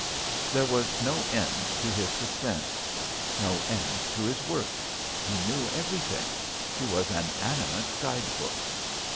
There was no end to his suspense, no end to his work. He knew everything. He was an animate guide book.